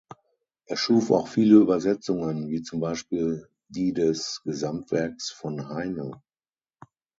Er schuf auch viele Übersetzungen wie zum Beispiel die des Gesamtwerks von Heine.